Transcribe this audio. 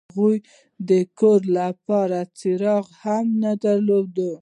هغوی د کور لپاره څراغ هم نه درلود